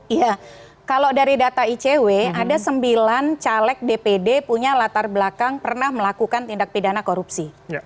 iya kalau dari data icw ada sembilan caleg dpd punya latar belakang pernah melakukan tindak pidana korupsi